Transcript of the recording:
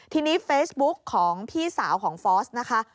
ทีนี้เฟซบุ๊กของพี่สาวของฟอสนะคะ